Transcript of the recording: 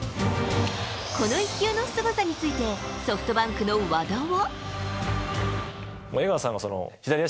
この１球のすごさについてソフトバンクの和田は。